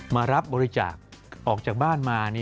มารับบริจาคออกจากบ้านมา